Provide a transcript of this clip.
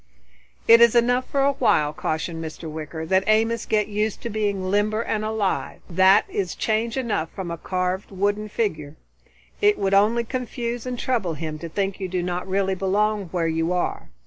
"It is enough for a while," cautioned Mr. Wicker, "that Amos get used to being limber and alive. That is change enough from a carved wooden figure. It would only confuse and trouble him to think you do not really belong where you are.